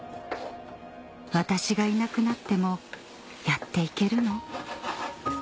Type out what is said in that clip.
「私がいなくなってもやっていけるの？」